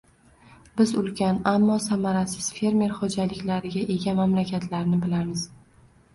Biz ulkan, ammo samarasiz fermer xo‘jaliklariga ega mamlakatlarni bilamiz.